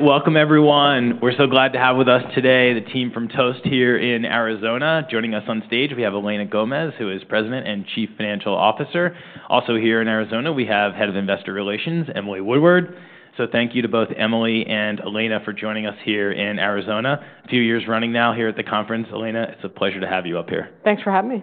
Welcome, everyone. We're so glad to have with us today the team from Toast here in Arizona. Joining us on stage, we have Elena Gomez, who is President and Chief Financial Officer. Also here in Arizona, we have Head of Investor Relations, Emily Woodward. So thank you to both Emily and Elena for joining us here in Arizona. A few years running now here at the conference, Elena, it's a pleasure to have you up here. Thanks for having me.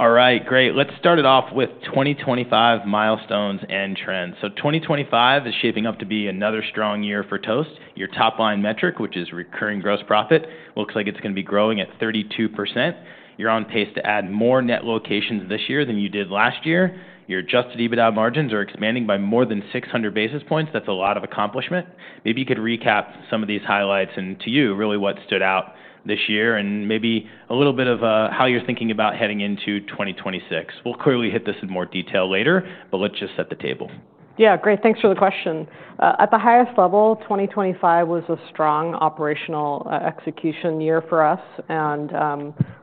All right, great. Let's start it off with 2025 milestones and trends. So 2025 is shaping up to be another strong year for Toast. Your top-line metric, which is recurring gross profit, looks like it's going to be growing at 32%. You're on pace to add more net locations this year than you did last year. Your adjusted EBITDA margins are expanding by more than 600 bps. That's a lot of accomplishment. Maybe you could recap some of these highlights and to you, really what stood out this year and maybe a little bit of how you're thinking about heading into 2026. We'll clearly hit this in more detail later, but let's just set the table. Yeah, great. Thanks for the question. At the highest level, 2025 was a strong operational execution year for us and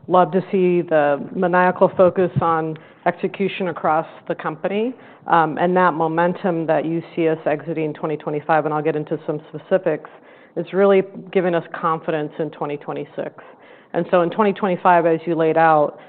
love to see the maniacal focus on execution across the company. And that momentum that you see us exiting 2025, and I'll get into some specifics, is really giving us confidence in 2026. And so in 2025, as you laid out,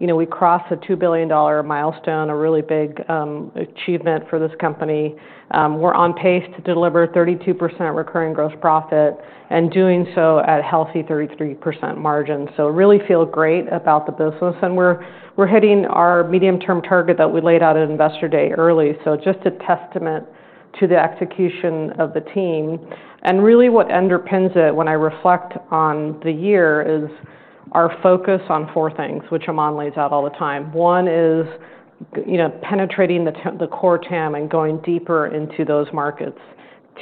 we crossed a $2 billion milestone, a really big achievement for this company. We're on pace to deliver 32% recurring gross profit and doing so at a healthy 33% margin. So really feel great about the business. And we're hitting our medium-term target that we laid out at Investor Day early. So just a testament to the execution of the team. And really what underpins it when I reflect on the year is our focus on four things, which Aman lays out all the time. One is penetrating the core TAM and going deeper into those markets.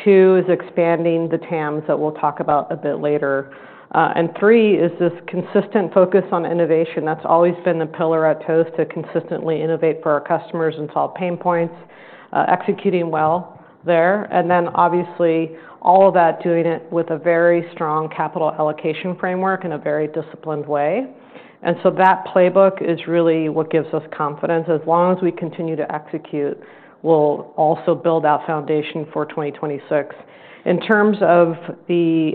Two is expanding the TAMs that we'll talk about a bit later. And three is this consistent focus on innovation. That's always been the pillar at Toast to consistently innovate for our customers and solve pain points, executing well there. And then obviously all of that, doing it with a very strong capital allocation framework in a very disciplined way. And so that playbook is really what gives us confidence. As long as we continue to execute, we'll also build that foundation for 2026. In terms of the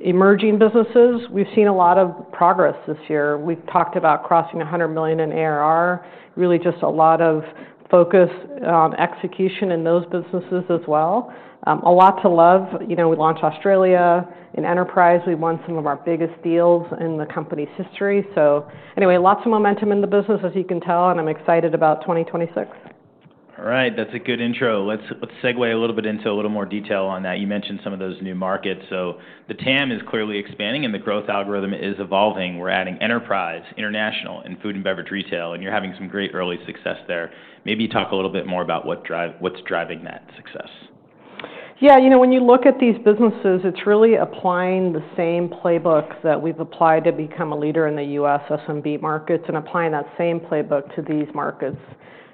emerging businesses, we've seen a lot of progress this year. We've talked about crossing 100 million in ARR, really just a lot of focus on execution in those businesses as well. A lot to love. We launched Australia in enterprise. We won some of our biggest deals in the company's history. So anyway, lots of momentum in the business, as you can tell, and I'm excited about 2026. All right, that's a good intro. Let's segue a little bit into a little more detail on that. You mentioned some of those new markets. So the TAM is clearly expanding and the growth algorithm is evolving. We're adding enterprise, international, and food and beverage retail, and you're having some great early success there. Maybe you talk a little bit more about what's driving that success. Yeah, you know when you look at these businesses, it's really applying the same playbook that we've applied to become a leader in the U.S. SMB markets and applying that same playbook to these markets.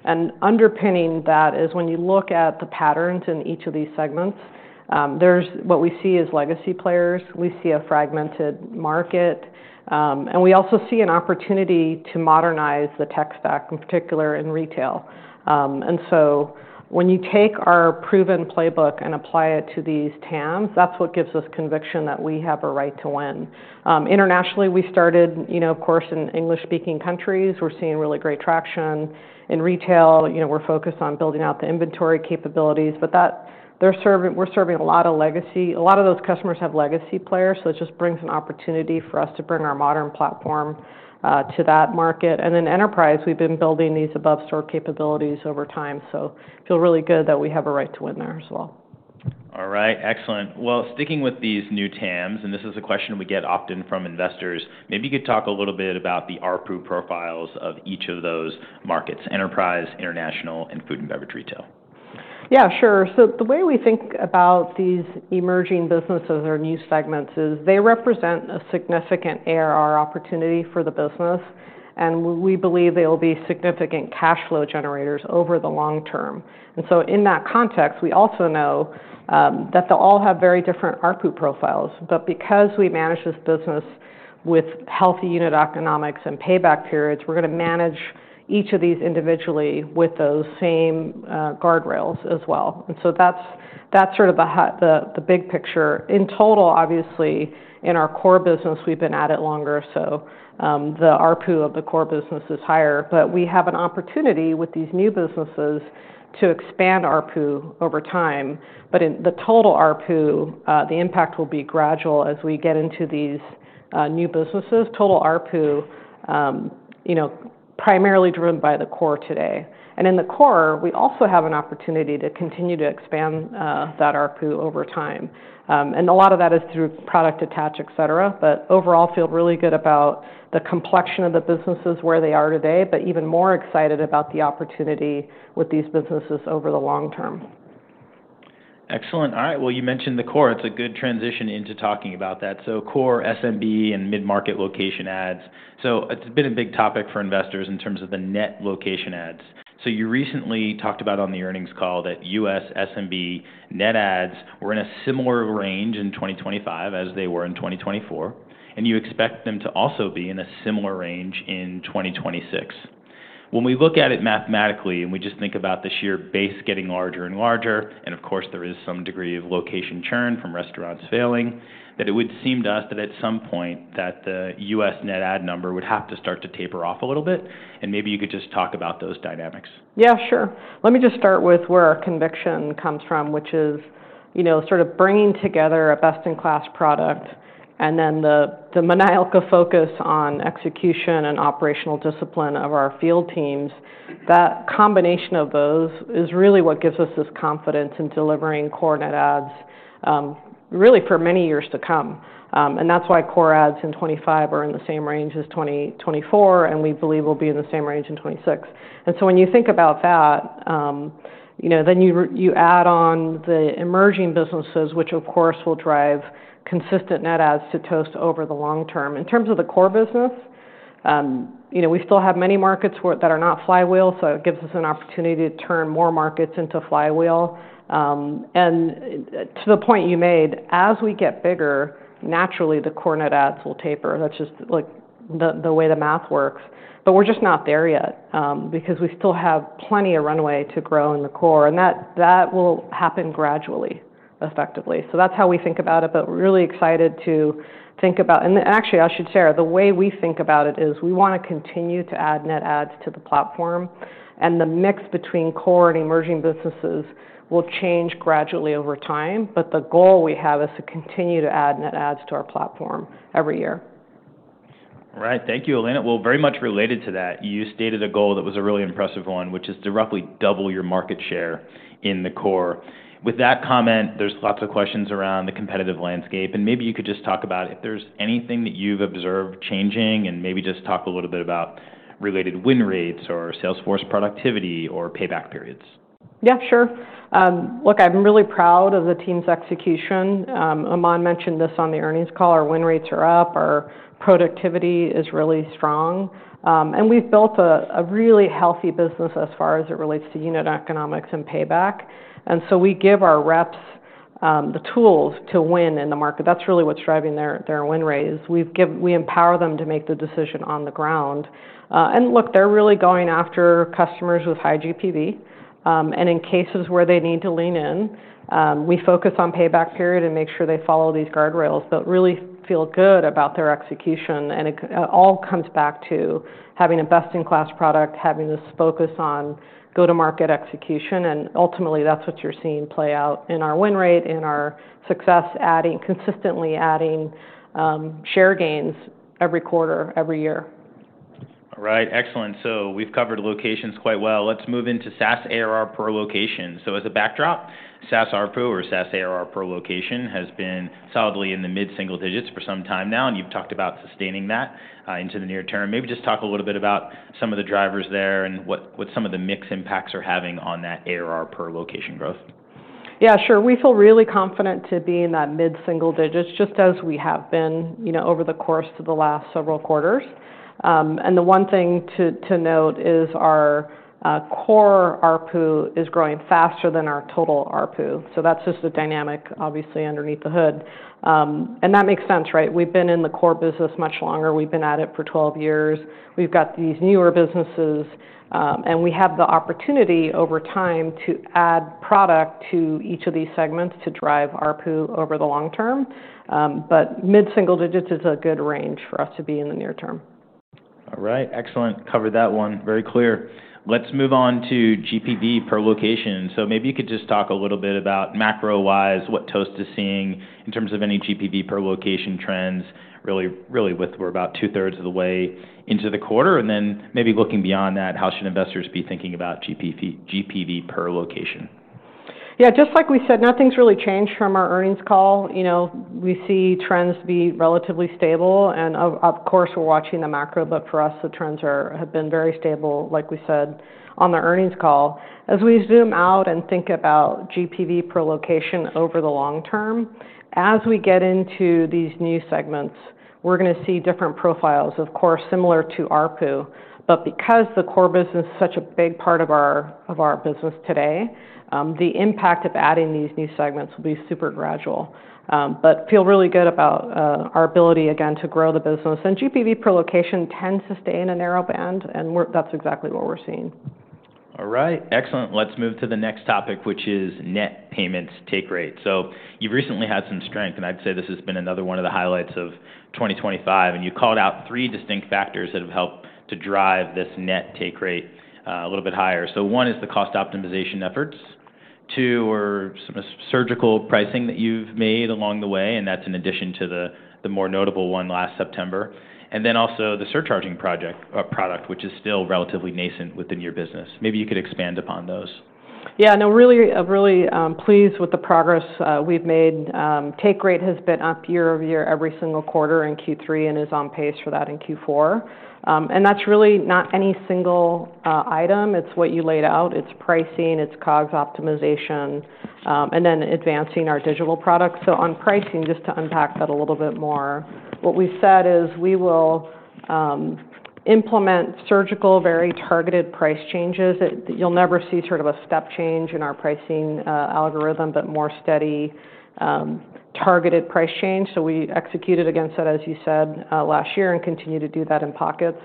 And underpinning that is when you look at the patterns in each of these segments, what we see is legacy players. We see a fragmented market. And we also see an opportunity to modernize the tech stack, in particular in retail. And so when you take our proven playbook and apply it to these TAMs, that's what gives us conviction that we have a right to win. Internationally, we started, of course, in English-speaking countries. We're seeing really great traction. In retail, we're focused on building out the inventory capabilities, but we're serving a lot of legacy. A lot of those customers have legacy players, so it just brings an opportunity for us to bring our modern platform to that market. And in enterprise, we've been building these above-store capabilities over time. So I feel really good that we have a right to win there as well. All right, excellent. Well, sticking with these new TAMs, and this is a question we get often from investors, maybe you could talk a little bit about the ARPU profiles of each of those markets, enterprise, international, and food and beverage retail? Yeah, sure. So the way we think about these emerging businesses or new segments is they represent a significant ARR opportunity for the business, and we believe they will be significant cash flow generators over the long term. And so in that context, we also know that they'll all have very different ARPU profiles. But because we manage this business with healthy unit economics and payback periods, we're going to manage each of these individually with those same guardrails as well. And so that's sort of the big picture. In total, obviously, in our core business, we've been at it longer, so the ARPU of the core business is higher. But we have an opportunity with these new businesses to expand ARPU over time. But in the total ARPU, the impact will be gradual as we get into these new businesses. Total ARPU, primarily driven by the core today. In the core, we also have an opportunity to continue to expand that ARPU over time. A lot of that is through product attach, et cetera. Overall, I feel really good about the complexion of the businesses where they are today, but even more excited about the opportunity with these businesses over the long term. Excellent. All right, well, you mentioned the core. It's a good transition into talking about that, so core SMB and mid-market location adds. It's been a big topic for investors in terms of the net location adds, so you recently talked about on the earnings call that U.S. SMB net adds were in a similar range in 2025 as they were in 2024, and you expect them to also be in a similar range in 2026. When we look at it mathematically and we just think about this year base getting larger and larger, and of course there is some degree of location churn from restaurants failing, that it would seem to us that at some point that the U.S. net add number would have to start to taper off a little bit, and maybe you could just talk about those dynamics. Yeah, sure. Let me just start with where our conviction comes from, which is sort of bringing together a best-in-class product and then the maniacal focus on execution and operational discipline of our field teams. That combination of those is really what gives us this confidence in delivering core net adds really for many years to come. And that's why core net adds in 2025 are in the same range as 2024, and we believe we'll be in the same range in 2026. And so when you think about that, then you add on the emerging businesses, which of course will drive consistent net adds to Toast over the long term. In terms of the core business, we still have many markets that are not flywheel, so it gives us an opportunity to turn more markets into flywheel. To the point you made, as we get bigger, naturally the core net adds will taper. That's just the way the math works. But we're just not there yet because we still have plenty of runway to grow in the core. And that will happen gradually, effectively. So that's how we think about it, but we're really excited to think about, and actually I should share, the way we think about it is we want to continue to add net adds to the platform. And the mix between core and emerging businesses will change gradually over time, but the goal we have is to continue to add net adds to our platform every year. All right, thank you, Elena. Well, very much related to that, you stated a goal that was a really impressive one, which is to roughly double your market share in the core. With that comment, there's lots of questions around the competitive landscape. And maybe you could just talk about if there's anything that you've observed changing and maybe just talk a little bit about related win rates or Salesforce productivity or payback periods. Yeah, sure. Look, I'm really proud of the team's execution. Aman mentioned this on the earnings call. Our win rates are up. Our productivity is really strong. And we've built a really healthy business as far as it relates to unit economics and payback. And so we give our reps the tools to win in the market. That's really what's driving their win rates. We empower them to make the decision on the ground. And look, they're really going after customers with high GPV. And in cases where they need to lean in, we focus on payback period and make sure they follow these guardrails, but really feel good about their execution. And it all comes back to having a best-in-class product, having this focus on go-to-market execution. Ultimately, that's what you're seeing play out in our win rate, in our success, consistently adding share gains every quarter, every year. All right, excellent. So we've covered locations quite well. Let's move into SaaS ARR per location. So as a backdrop, SaaS ARPU or SaaS ARR per location has been solidly in the mid-single digits for some time now, and you've talked about sustaining that into the near term. Maybe just talk a little bit about some of the drivers there and what some of the mixed impacts are having on that ARR per location growth. Yeah, sure. We feel really confident to be in that mid-single digits, just as we have been over the course of the last several quarters. And the one thing to note is our core ARPU is growing faster than our total ARPU. So that's just a dynamic, obviously, underneath the hood. And that makes sense, right? We've been in the core business much longer. We've been at it for 12 years. We've got these newer businesses, and we have the opportunity over time to add product to each of these segments to drive ARPU over the long term. But mid-single digits is a good range for us to be in the near term. All right, excellent. Covered that one. Very clear. Let's move on to GPV per location. So maybe you could just talk a little bit about macro-wise what Toast is seeing in terms of any GPV per location trends. Really, we're about two-thirds of the way into the quarter. And then maybe looking beyond that, how should investors be thinking about GPV per location? Yeah, just like we said, nothing's really changed from our earnings call. We see trends be relatively stable, and of course, we're watching the macro, but for us, the trends have been very stable, like we said on the earnings call. As we zoom out and think about GPV per location over the long term, as we get into these new segments, we're going to see different profiles, of course, similar to ARPU. But because the core business is such a big part of our business today, the impact of adding these new segments will be super gradual, but feel really good about our ability, again, to grow the business. GPV per location tends to stay in a narrow band, and that's exactly what we're seeing. All right, excellent. Let's move to the next topic, which is net payments take rate. So you've recently had some strength, and I'd say this has been another one of the highlights of 2025. And you called out three distinct factors that have helped to drive this net take rate a little bit higher. So one is the cost optimization efforts. Two are some surgical pricing that you've made along the way, and that's in addition to the more notable one last September. And then also the surcharging product, which is still relatively nascent within your business. Maybe you could expand upon those? Yeah, and I'm really pleased with the progress we've made. Take rate has been up year over year every single quarter in Q3 and is on pace for that in Q4. And that's really not any single item. It's what you laid out. It's pricing, it's COGS optimization, and then advancing our digital products. So on pricing, just to unpack that a little bit more, what we've said is we will implement surgical, very targeted price changes. You'll never see sort of a step change in our pricing algorithm, but more steady, targeted price change. So we executed against that, as you said, last year and continue to do that in pockets.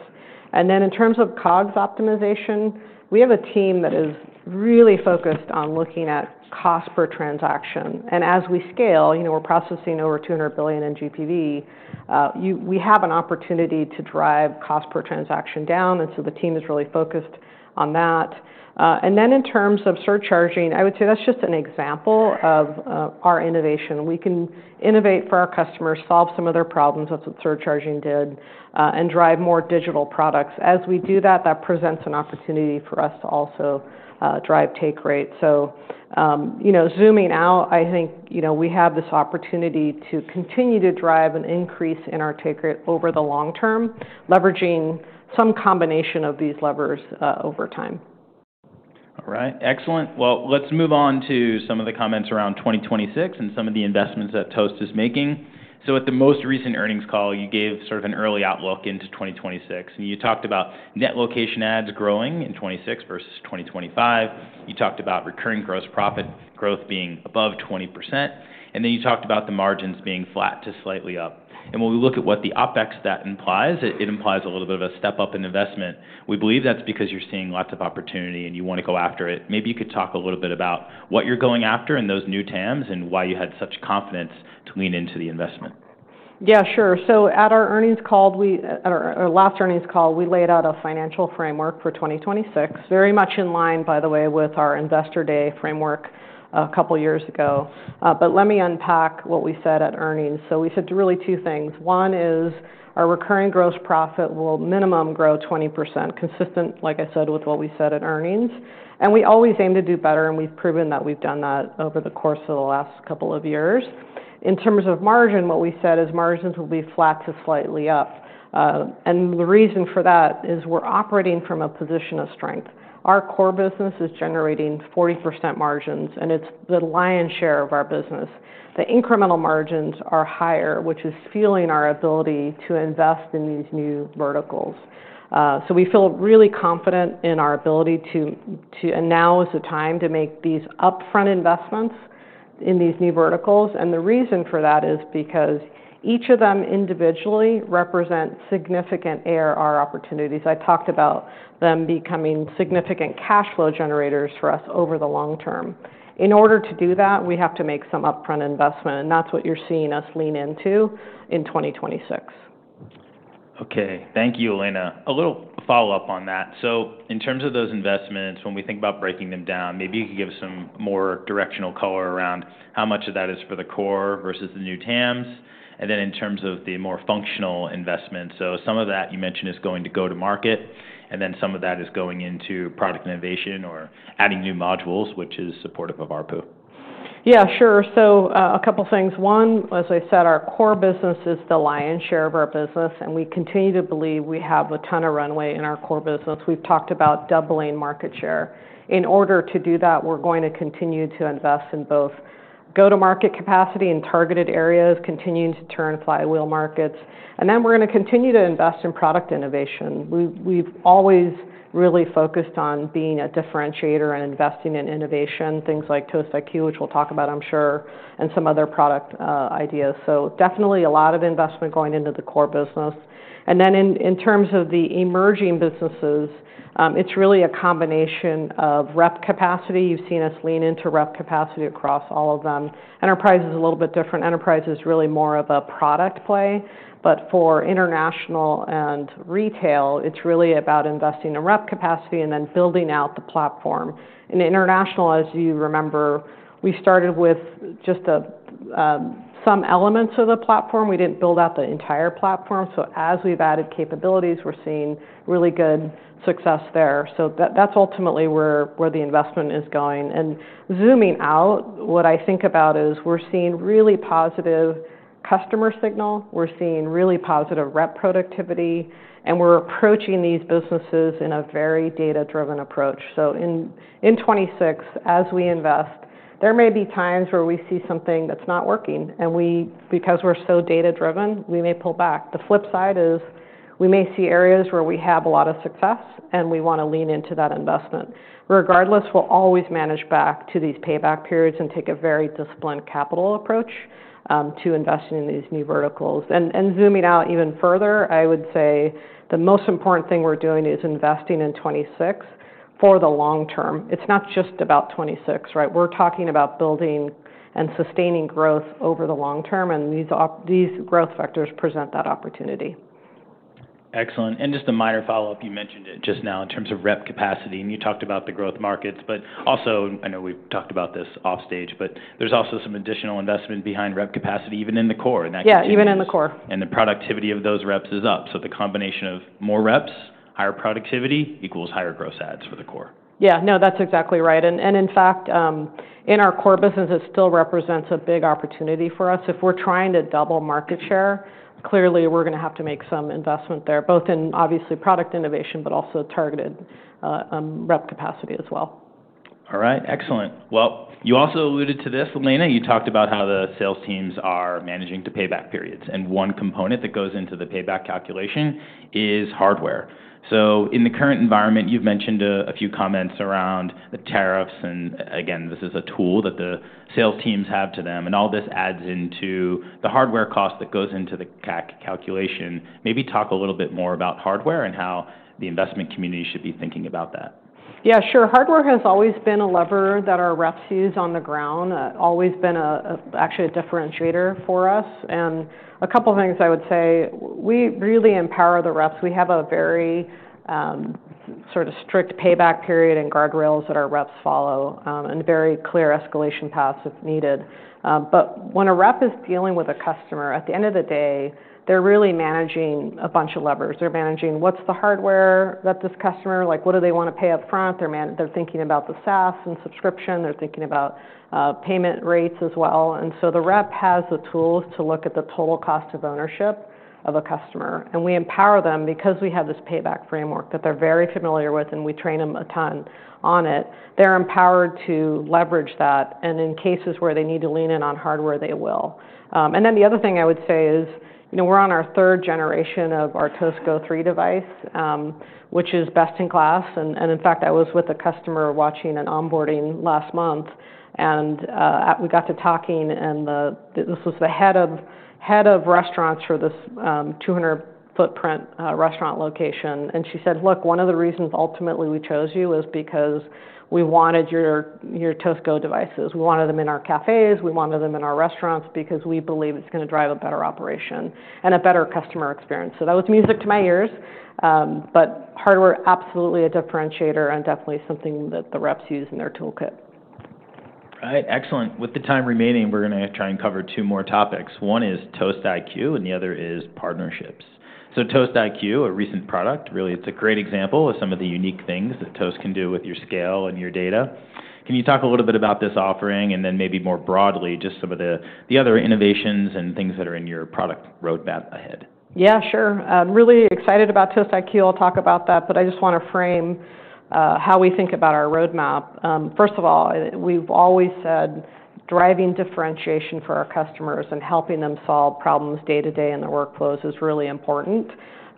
And then in terms of COGS optimization, we have a team that is really focused on looking at cost per transaction. And as we scale, we're processing over $200 billion in GPV. We have an opportunity to drive cost per transaction down, and so the team is really focused on that. And then in terms of surcharging, I would say that's just an example of our innovation. We can innovate for our customers, solve some of their problems, that's what surcharging did, and drive more digital products. As we do that, that presents an opportunity for us to also drive take rate. So zooming out, I think we have this opportunity to continue to drive an increase in our take rate over the long term, leveraging some combination of these levers over time. All right, excellent. Well, let's move on to some of the comments around 2026 and some of the investments that Toast is making. So at the most recent earnings call, you gave sort of an early outlook into 2026. And you talked about net location adds growing in 2026 versus 2025. You talked about recurring gross profit growth being above 20%. And then you talked about the margins being flat to slightly up. And when we look at what the OpEx that implies, it implies a little bit of a step up in investment. We believe that's because you're seeing lots of opportunity and you want to go after it. Maybe you could talk a little bit about what you're going after in those new TAMs and why you had such confidence to lean into the investment. Yeah, sure. So at our last earnings call, we laid out a financial framework for 2026, very much in line, by the way, with our Investor Day framework a couple of years ago. But let me unpack what we said at earnings. So we said really two things. One is our recurring gross profit will minimum grow 20%, consistent, like I said, with what we said at earnings. And we always aim to do better, and we've proven that we've done that over the course of the last couple of years. In terms of margin, what we said is margins will be flat to slightly up. And the reason for that is we're operating from a position of strength. Our core business is generating 40% margins, and it's the lion's share of our business. The incremental margins are higher, which is fueling our ability to invest in these new verticals. So we feel really confident in our ability to, and now is the time to make these upfront investments in these new verticals. And the reason for that is because each of them individually represents significant ARR opportunities. I talked about them becoming significant cash flow generators for us over the long term. In order to do that, we have to make some upfront investment, and that's what you're seeing us lean into in 2026. Okay, thank you, Elena. A little follow-up on that. So in terms of those investments, when we think about breaking them down, maybe you could give some more directional color around how much of that is for the core versus the new TAMs, and then in terms of the more functional investments. So some of that you mentioned is going to go-to-market, and then some of that is going into product innovation or adding new modules, which is supportive of ARPU. Yeah, sure. So a couple of things. One, as I said, our core business is the lion's share of our business, and we continue to believe we have a ton of runway in our core business. We've talked about doubling market share. In order to do that, we're going to continue to invest in both go-to-market capacity and targeted areas, continuing to turn flywheel markets. And then we're going to continue to invest in product innovation. We've always really focused on being a differentiator and investing in innovation, things like Toast IQ, which we'll talk about, I'm sure, and some other product ideas. So definitely a lot of investment going into the core business. And then in terms of the emerging businesses, it's really a combination of rep capacity. You've seen us lean into rep capacity across all of them. Enterprise is a little bit different. Enterprise is really more of a product play, but for international and retail, it's really about investing in rep capacity and then building out the platform. In international, as you remember, we started with just some elements of the platform. We didn't build out the entire platform, so as we've added capabilities, we're seeing really good success there, so that's ultimately where the investment is going, and zooming out, what I think about is we're seeing really positive customer signal. We're seeing really positive rep productivity, and we're approaching these businesses in a very data-driven approach, so in 2026, as we invest, there may be times where we see something that's not working, and because we're so data-driven, we may pull back. The flip side is we may see areas where we have a lot of success, and we want to lean into that investment. Regardless, we'll always manage back to these payback periods and take a very disciplined capital approach to investing in these new verticals. And zooming out even further, I would say the most important thing we're doing is investing in 2026 for the long term. It's not just about 2026, right? We're talking about building and sustaining growth over the long term, and these growth factors present that opportunity. Excellent. And just a minor follow-up. You mentioned it just now in terms of rep capacity, and you talked about the growth markets, but also I know we've talked about this offstage, but there's also some additional investment behind rep capacity, even in the core. Yeah, even in the core. And the productivity of those reps is up. So the combination of more reps, higher productivity equals higher gross adds for the core. Yeah, no, that's exactly right. And in fact, in our core business, it still represents a big opportunity for us. If we're trying to double market share, clearly we're going to have to make some investment there, both in obviously product innovation, but also targeted rep capacity as well. All right, excellent. Well, you also alluded to this, Elena. You talked about how the sales teams are managing to payback periods. And one component that goes into the payback calculation is hardware. So in the current environment, you've mentioned a few comments around the tariffs. And again, this is a tool that the sales teams have to them. And all this adds into the hardware cost that goes into the CAC calculation. Maybe talk a little bit more about hardware and how the investment community should be thinking about that. Yeah, sure. Hardware has always been a lever that our reps use on the ground, always been actually a differentiator for us, and a couple of things I would say, we really empower the reps. We have a very sort of strict payback period and guardrails that our reps follow and very clear escalation paths if needed, but when a rep is dealing with a customer, at the end of the day, they're really managing a bunch of levers. They're managing what's the hardware that this customer, like what do they want to pay upfront? They're thinking about the SaaS and subscription. They're thinking about payment rates as well, and so the rep has the tools to look at the total cost of ownership of a customer, and we empower them because we have this payback framework that they're very familiar with, and we train them a ton on it. They're empowered to leverage that, and in cases where they need to lean in on hardware, they will, and then the other thing I would say is we're on our third generation of our Toast Go 3 device, which is best in class, and in fact, I was with a customer watching an onboarding last month, and we got to talking, and this was the head of restaurants for this 200-footprint restaurant location, and she said, "Look, one of the reasons ultimately we chose you is because we wanted your Toast Go 3 devices. We wanted them in our cafes. We wanted them in our restaurants because we believe it's going to drive a better operation and a better customer experience," so that was music to my ears, but hardware is absolutely a differentiator and definitely something that the reps use in their toolkit. Right, excellent. With the time remaining, we're going to try and cover two more topics. One is Toast IQ, and the other is partnerships. So Toast IQ, a recent product, really, it's a great example of some of the unique things that Toast can do with your scale and your data. Can you talk a little bit about this offering and then maybe more broadly, just some of the other innovations and things that are in your product roadmap ahead? Yeah, sure. I'm really excited about Toast IQ. I'll talk about that, but I just want to frame how we think about our roadmap. First of all, we've always said driving differentiation for our customers and helping them solve problems day-to-day in their workflows is really important,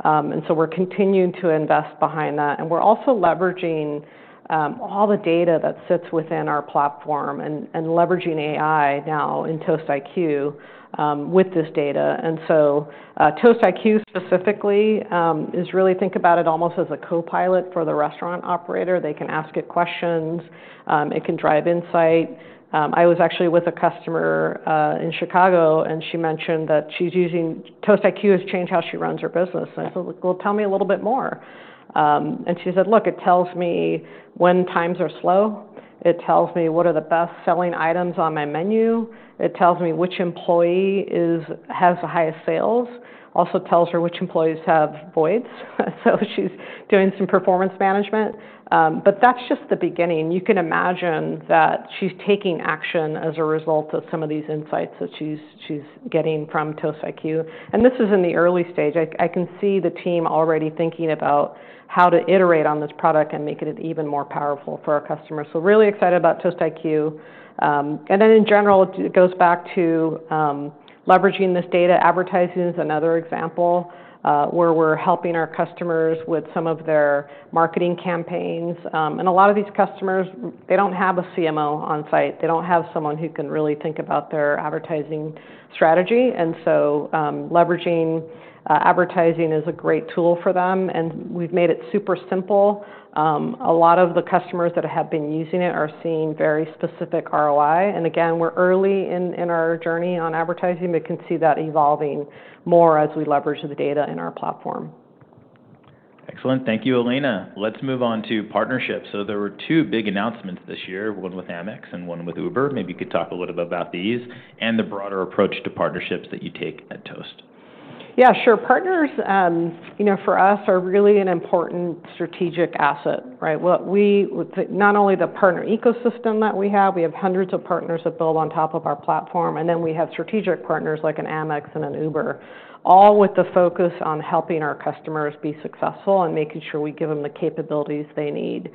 and so we're continuing to invest behind that, and we're also leveraging all the data that sits within our platform and leveraging AI now in Toast IQ with this data, and so Toast IQ specifically is really think about it almost as a co-pilot for the restaurant operator. They can ask it questions. It can drive insight. I was actually with a customer in Chicago, and she mentioned that she's using Toast IQ has changed how she runs her business, and I said, "Well, tell me a little bit more," and she said, "Look, it tells me when times are slow. It tells me what are the best-selling items on my menu. It tells me which employee has the highest sales. Also tells her which employees have voids." So she's doing some performance management. But that's just the beginning. You can imagine that she's taking action as a result of some of these insights that she's getting from Toast IQ. And this is in the early stage. I can see the team already thinking about how to iterate on this product and make it even more powerful for our customers. So really excited about Toast IQ. And then in general, it goes back to leveraging this data. Advertising is another example where we're helping our customers with some of their marketing campaigns. And a lot of these customers, they don't have a CMO on-site. They don't have someone who can really think about their advertising strategy. And so leveraging advertising is a great tool for them. And we've made it super simple. A lot of the customers that have been using it are seeing very specific ROI. And again, we're early in our journey on advertising. We can see that evolving more as we leverage the data in our platform. Excellent. Thank you, Elena. Let's move on to partnerships. So there were two big announcements this year, one with American Express and one with Uber. Maybe you could talk a little bit about these and the broader approach to partnerships that you take at Toast. Yeah, sure. Partners for us are really an important strategic asset, right? Not only the partner ecosystem that we have, we have hundreds of partners that build on top of our platform. And then we have strategic partners like an American Express and an Uber, all with the focus on helping our customers be successful and making sure we give them the capabilities they need.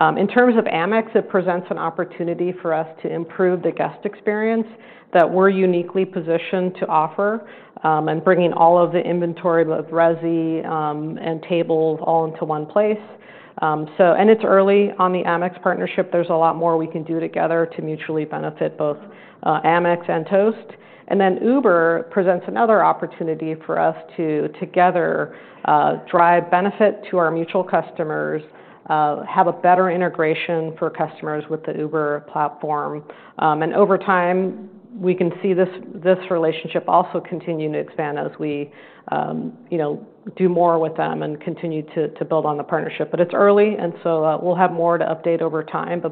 In terms of American Express, it presents an opportunity for us to improve the guest experience that we're uniquely positioned to offer and bringing all of the inventory with Resy and tables all into one place. And it's early on the American Express partnership. There's a lot more we can do together to mutually benefit both American Express and Toast. And then Uber presents another opportunity for us to together drive benefit to our mutual customers, have a better integration for customers with the Uber platform. Over time, we can see this relationship also continue to expand as we do more with them and continue to build on the partnership. It's early, and so we'll have more to update over time.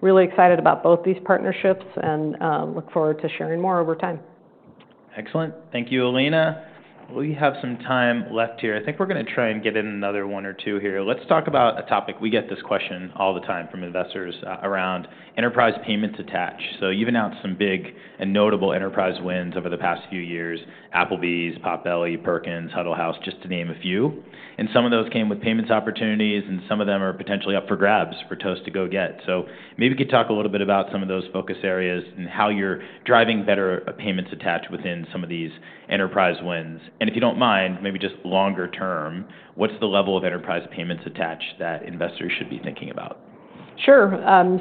Really excited about both these partnerships and look forward to sharing more over time. Excellent. Thank you, Elena. We have some time left here. I think we're going to try and get in another one or two here. Let's talk about a topic. We get this question all the time from investors around enterprise payments attach. So you've announced some big and notable enterprise wins over the past few years: Applebee's, Potbelly, Perkins, Huddle House, just to name a few. And some of those came with payments opportunities, and some of them are potentially up for grabs for Toast to go get. So maybe you could talk a little bit about some of those focus areas and how you're driving better payments attach within some of these enterprise wins. And if you don't mind, maybe just longer term, what's the level of enterprise payments attach that investors should be thinking about? Sure.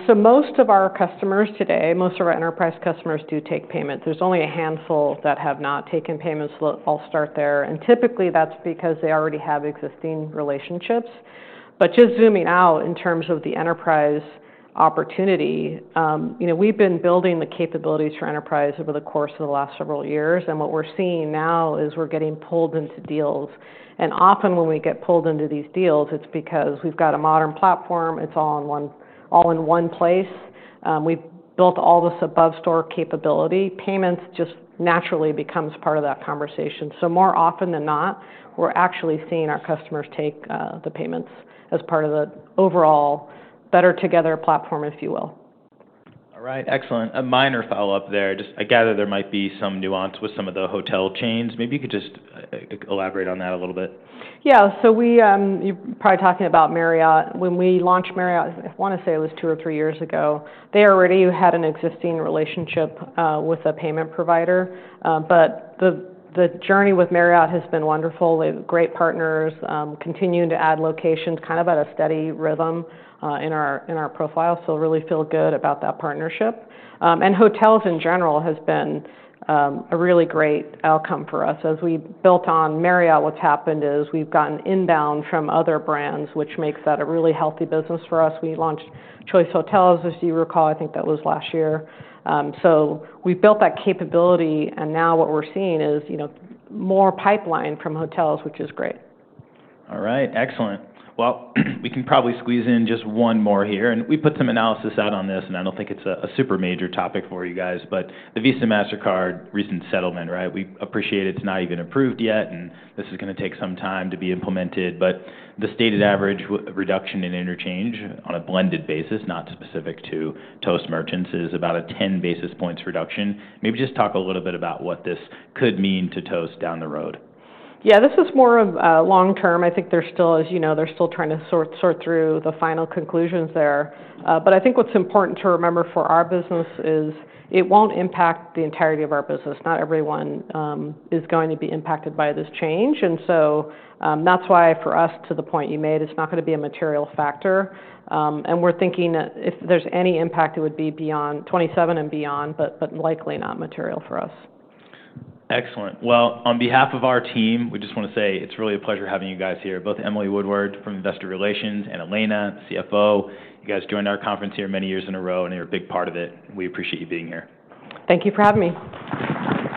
So most of our customers today, most of our enterprise customers do take payments. There's only a handful that have not taken payments. I'll start there. And typically, that's because they already have existing relationships. But just zooming out in terms of the enterprise opportunity, we've been building the capabilities for enterprise over the course of the last several years. And what we're seeing now is we're getting pulled into deals. And often when we get pulled into these deals, it's because we've got a modern platform. It's all in one place. We've built all this above-store capability. Payments just naturally becomes part of that conversation. So more often than not, we're actually seeing our customers take the payments as part of the overall better together platform, if you will. All right, excellent. A minor follow-up there. I gather there might be some nuance with some of the hotel chains. Maybe you could just elaborate on that a little bit. Yeah, so you're probably talking about Marriott. When we launched Marriott, I want to say it was two or three years ago, they already had an existing relationship with a payment provider, but the journey with Marriott has been wonderful. They have great partners, continuing to add locations kind of at a steady rhythm in our profile, so really feel good about that partnership, and hotels in general has been a really great outcome for us. As we built on Marriott, what's happened is we've gotten inbound from other brands, which makes that a really healthy business for us. We launched Choice Hotels, as you recall. I think that was last year, so we've built that capability, and now what we're seeing is more pipeline from hotels, which is great. All right, excellent. Well, we can probably squeeze in just one more here. And we put some analysis out on this, and I don't think it's a super major topic for you guys, but the Visa Mastercard recent settlement, right? We appreciate it's not even approved yet, and this is going to take some time to be implemented. But the stated average reduction in interchange on a blended basis, not specific to Toast merchants, is about a 10 bps reduction. Maybe just talk a little bit about what this could mean to Toast down the road. Yeah, this is more of a long-term. I think they're still, as you know, they're still trying to sort through the final conclusions there. But I think what's important to remember for our business is it won't impact the entirety of our business. Not everyone is going to be impacted by this change. And so that's why for us, to the point you made, it's not going to be a material factor. And we're thinking if there's any impact, it would be beyond 2027 and beyond, but likely not material for us. Excellent. Well, on behalf of our team, we just want to say it's really a pleasure having you guys here, both Emily Woodward from Investor Relations and Elena, CFO. You guys joined our conference here many years in a row, and you're a big part of it. We appreciate you being here. Thank you for having me.